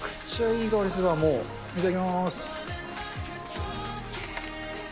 いただきます。